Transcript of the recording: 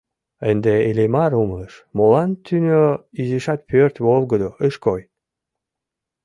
Ынде Иллимар умылыш, молан тӱнӧ изишат пӧрт волгыдо ыш кой.